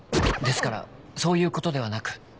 ですからそういうことではなく